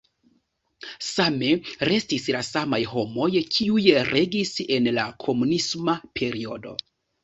Same restis la samaj homoj, kiuj regis en la komunisma periodo.